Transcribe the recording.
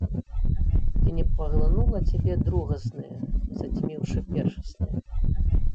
Ці не паглынула цябе другаснае, зацьміўшы першаснае?